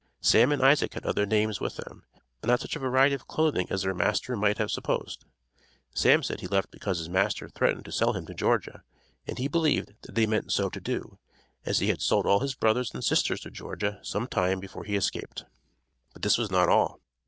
Sam and Isaac had other names with them, but not such a variety of clothing as their master might have supposed. Sam said he left because his master threatened to sell him to Georgia, and he believed that he meant so to do, as he had sold all his brothers and sisters to Georgia some time before he escaped. But this was not all.